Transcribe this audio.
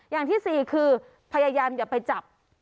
อย่างที่สี่คือพยายามอย่าไปจับ